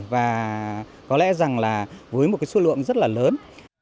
và có lẽ rằng là với một cái số lượng rất là lớn